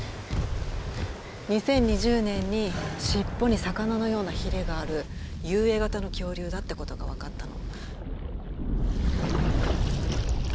２０２０年に尻尾に魚のようなヒレがある遊泳型の恐竜だってことが分かったの。